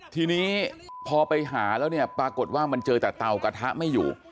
ทีนี้พอไปหาแล้วเนี่ยปรากฏว่ามันเจอแต่เตากระทะไม่อยู่